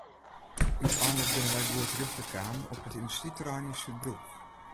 Uteinlik binne wy goed terjochte kaam op it yndustryterrein yn Súdbroek.